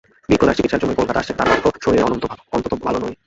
বিপ্রদাস চিকিৎসার জন্যই কলকাতায় আসছে– তার অর্থ, শরীর অন্তত ভালো নেই।